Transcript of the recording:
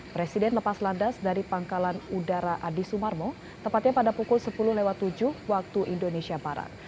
presiden lepas landas dari pangkalan udara adi sumarmo tepatnya pada pukul sepuluh tujuh waktu indonesia barat